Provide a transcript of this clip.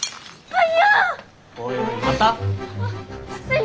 はい！